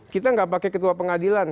kita nggak pakai ketua pengadilan